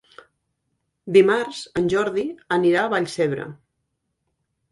Dimarts en Jordi anirà a Vallcebre.